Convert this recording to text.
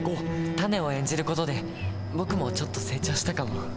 タネを演じる事で僕もちょっと成長したかも。